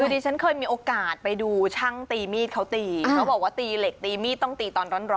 คือดิฉันเคยมีโอกาสไปดูช่างตีมีดเขาตีเขาบอกว่าตีเหล็กตีมีดต้องตีตอนร้อน